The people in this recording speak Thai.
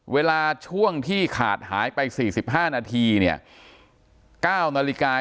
เวลาช่วงที่ขาดหายไป๔๕น